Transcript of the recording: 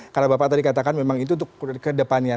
karena bapak tadi katakan memang itu untuk kedepannya